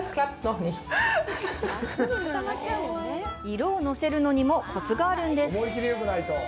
色をのせるのにもコツがあるんです。